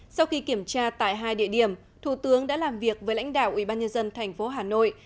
sau khi kiểm tra tại hai địa điểm thủ tướng đã làm việc với lãnh đạo ubnd tp hà nội